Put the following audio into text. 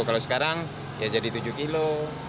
kalau sekarang ya jadi tujuh kilo